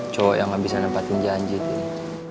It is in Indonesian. cowok yang gak bisa nampakin janji tini